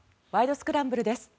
スクランブル」です。